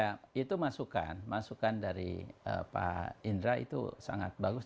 ya itu masukan masukan dari pak indra itu sangat bagus